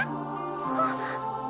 あっ。